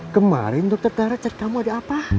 kemarin dokter teh recet kamu ada apa